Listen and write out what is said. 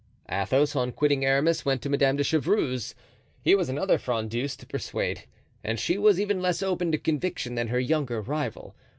Athos, on quitting Aramis, went to Madame de Chevreuse. Here was another frondeuse to persuade, and she was even less open to conviction than her younger rival.